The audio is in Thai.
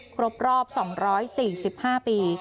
ครบรอบ๒๔๕ปี